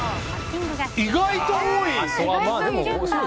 意外と多い！